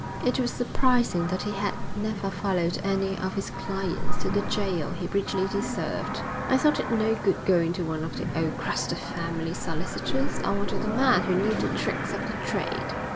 It was surprising that he had never followed any of his clients to the jail he richly deserved. 'I thought it no good going to one of the old crusted family solicitors. I wanted a man who knew the tricks of the trade.'